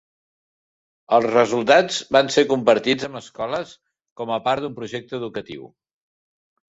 Els resultats van ser compartits amb escoles com a part d'un projecte educatiu.